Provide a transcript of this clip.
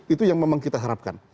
itu yang memang kita harapkan